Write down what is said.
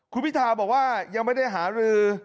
คุณพิทาบอกว่ายังไม่ได้หารือ